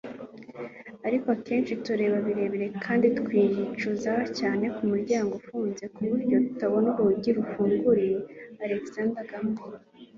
ariko akenshi tureba birebire kandi twicuza cyane kumuryango ufunze kuburyo tutabona urugi rwadukinguriye. - Alexander Graham Bell